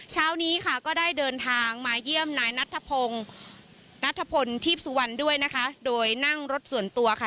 เช้านี้ค่ะก็ได้เดินทางมาเยี่ยมนายนัทพงศ์นัทพลทีพสุวรรณด้วยนะคะโดยนั่งรถส่วนตัวค่ะ